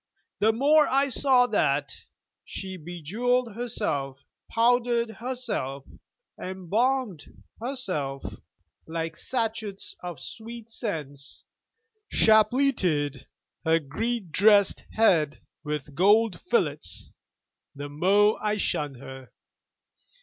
The more I saw that she bejewelled herself, powdered herself, embalmed herself like sachets of sweet scents, chapleted her Greek dressed head with gold fillets, the more I shunned her.